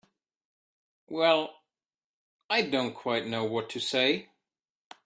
Well—I don't quite know what to say.